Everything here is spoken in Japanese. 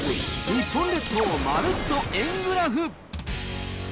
日本列島まるっと円グラフ。